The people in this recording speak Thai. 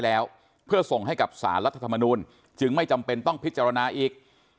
แล้วเพื่อส่งให้กับสารรัฐธรรมนูลจึงไม่จำเป็นต้องพิจารณาอีก